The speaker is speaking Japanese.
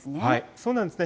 そうなんですね。